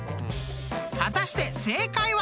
［果たして正解は？］